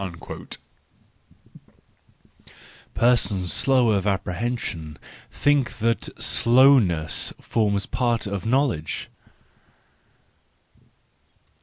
—Persons slow of apprehension think that slowness forms part of knowledge.